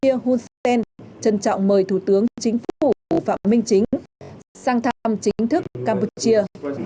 campuchia hunsen trân trọng mời thủ tướng chính phủ phạm minh chính sang thăm chính thức campuchia